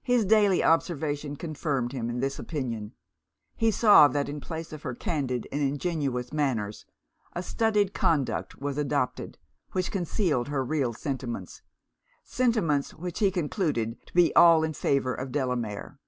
His daily observation confirmed him in this opinion: he saw, that in place of her candid and ingenuous manners, a studied conduct was adopted, which concealed her real sentiments sentiments which he concluded to be all in favour of Delamere.